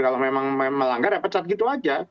kalau memang melanggar ya pecat gitu aja